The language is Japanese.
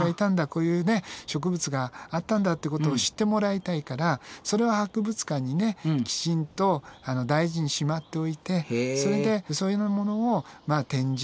こういうね植物があったんだってことを知ってもらいたいからそれを博物館にねきちんと大事にしまっておいてそれでそういうようなものを展示